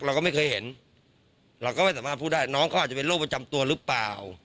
เราก็ไม่เคยเห็นเราก็ไม่สามารถพูดได้น้องเขาอาจจะเป็นโรคประจำตัวหรือเปล่า